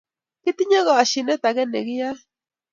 Kitinye koshinet age nekiyae